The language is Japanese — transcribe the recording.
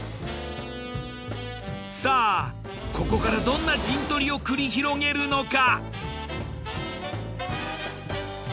さあここからどんな陣取りを繰り広げるのか！？